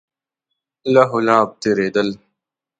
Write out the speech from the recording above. لهو لعب تېرېدل.